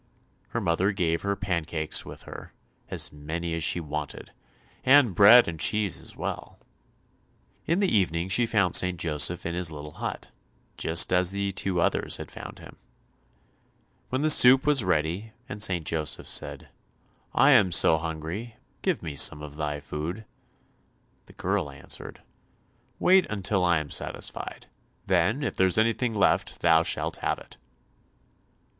Her mother gave her pancakes with her—as many as she wanted, and bread and cheese as well. In the evening she found St. Joseph in his little hut, just as the two others had found him. When the soup was ready and St. Joseph said, "I am so hungry, give me some of thy food," the girl answered, "Wait until I am satisfied; then if there is anything left thou shalt have it."